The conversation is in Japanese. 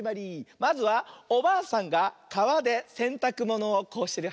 まずはおばあさんがかわでせんたくものをこうしてる。